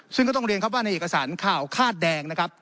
ซึ่งก็ต้องเรียนครับว่าในเอกสารข่าวคาดแดงนะครับ